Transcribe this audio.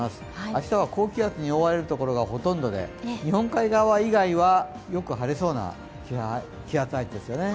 明日は高気圧に覆われる所がほとんどで日本海側以外はよく晴れそうな気圧配置ですよね。